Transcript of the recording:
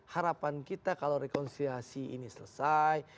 harapan kita kalau rekonsiliasi ini selesai